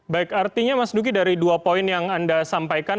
baik artinya mas duki dari dua poin yang anda sampaikan